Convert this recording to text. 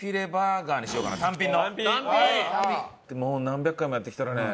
何百回もやってきたらね